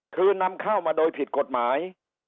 คือนำเข้ามาโดยผิดกฎหมาย